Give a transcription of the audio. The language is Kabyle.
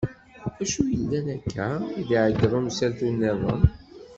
Acu yellan akka? i d-iɛeggeḍ umsaltu niḍen.